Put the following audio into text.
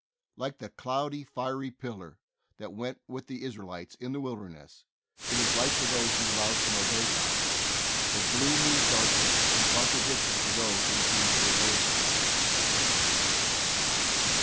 Like the cloudy, fiery pillar 166 THE soul winner's secret. that went with the Israelites in the wilder ness it is light to those who love and obey God, but gloomy darkness and contradiction to those who refuse to obey Him.